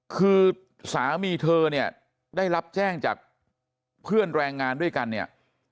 คือสามีเธอเนี่ยได้รับแจ้งจากเพื่อนแรงงานด้วยกันเนี่ย